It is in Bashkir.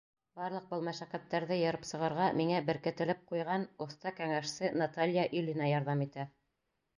Барлыҡ был мәшәҡәттәрҙе йырып сығырға миңә беркетелеп ҡуйған оҫта-кәңәшсе Наталья Ильина ярҙам итә.